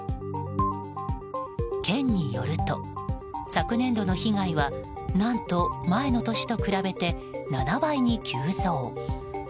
県によると、昨年度の被害は何と前の年と比べて７倍に急増。